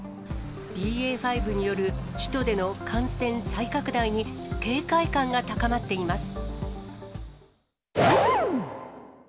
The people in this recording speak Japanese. ＢＡ．５による首都での感染再拡大に警戒感が高まっています。